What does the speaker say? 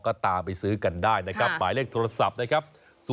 ก็ตามไปซื้อกันได้นะครับหมายเลขโทรศัพท์นะครับ